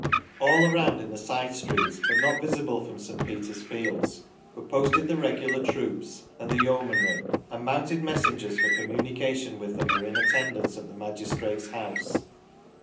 All around, in the side streets, but not visible from St. Peter's fields, were posted the regular troops and the yeomanry, and mounted messengers for communication with them were in attendance at the magistrates' house.